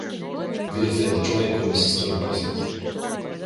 Видов еден човек кој ми се стори познат.